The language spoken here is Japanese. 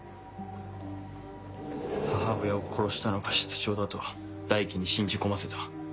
母親を殺したのが室長だと大樹に信じ込ませた。